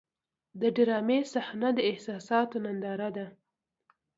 د ډرامې صحنه د احساساتو هنداره ده.